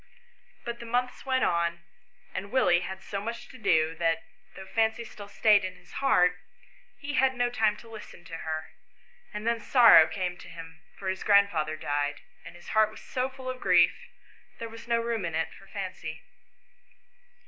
But the months went on, and Willie had so much to do that, though Fancy still stayed in his heart, he had no time to listen to her ; and then sorrow came to him, for his grandfather died; and his heart was so full of grief there was no room in it for Fancy.